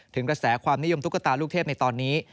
กระแสความนิยมตุ๊กตาลูกเทพในตอนนี้